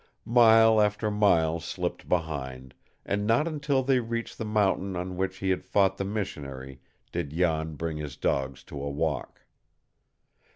Mile after mile slipped behind, and not until they reached the mountain on which he had fought the missionary did Jan bring his dogs to a walk.